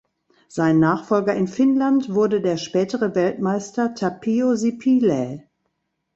Sein Nachfolger in Finnland wurde der spätere Weltmeister Tapio Sipilä.